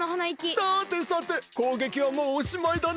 さてさてこうげきはもうおしまいだな？